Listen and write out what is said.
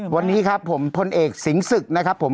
วันนี้ครับผมพลเอกสิงหศึกนะครับผม